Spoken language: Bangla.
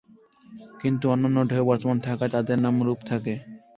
কিন্তু অন্যান্য ঢেউ বর্তমান থাকায় তাদের নাম-রূপ থাকে।